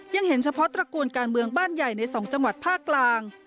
ยังเห็นเฉพาะตระกูลการเมืองบ้านใหญ่ในสองจังหวัดภาคกลาง